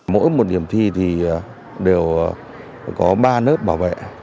mỗi một điểm thi thì đều có ba lớp bảo vệ